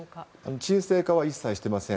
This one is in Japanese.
鎮静化は一切していません。